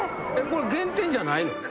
これ減点じゃないの？